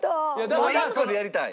もう１個でやりたい？